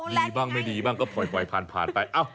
ดีบ้างไม่ดีบ้างก็ปล่อยผ่านไป